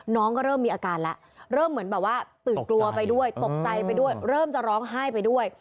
น้องก็เริ่มมีอาการแล้วเริ่มเหมือนแบบว่าตื่นกลัวไปด้วยตกใจไปด้วยเริ่มจะร้องไห้ไปด้วย